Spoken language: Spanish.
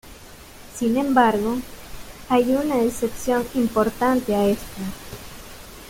Sin embargo, hay una excepción importante a esta.